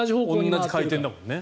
同じ回転だもんね。